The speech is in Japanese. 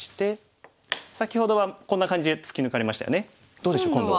どうでしょう今度は。